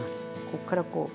こっからこう。